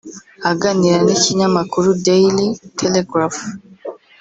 Aganira n’ikinyamakuru Daily Telegraph